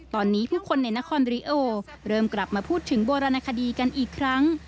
ตอนนี้ผู้คนในนครริโอเริ่มกลับมาพูดถึงโบราณคดีกันอีกครั้ง